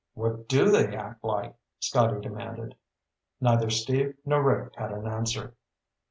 "What do they act like?" Scotty demanded. Neither Steve nor Rick had an answer.